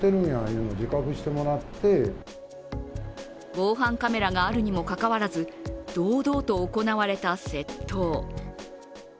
防犯カメラがあるにもかかわらず、堂々と行われた窃盗。